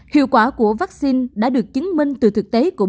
hiệu quả của vaccine đã được chứng minh từ thực tế